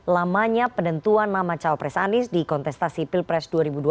lamanya penentuan nama cawapres anies di kontestasi pilpres dua ribu dua puluh